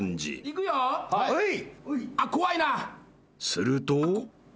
［すると］